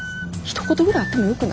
ひと言ぐらいあってもよくない？